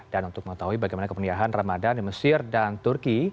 dan untuk mengetahui bagaimana kemenyahan ramadan di mesir dan turki